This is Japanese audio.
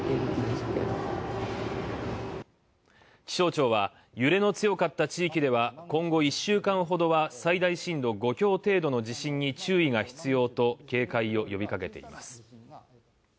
気象庁は「揺れの強かった地域では、今後１週間ほどは最大震度５強程度の地震に注意が必要」と、警戒を呼びかけています。